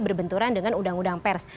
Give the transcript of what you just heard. berbenturan dengan undang undang pers